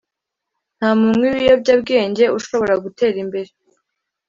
" Nta munywi w’ibiyobyabwenge ushobora gutera imbere